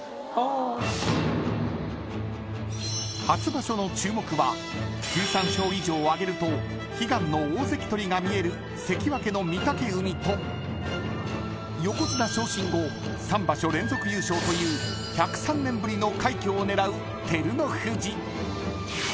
［初場所の注目は１３勝以上を挙げると悲願の大関とりが見える関脇の御嶽海と横綱昇進後３場所連続優勝という１０３年ぶりの快挙を狙う照ノ富士］